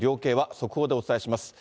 速報でお伝えします。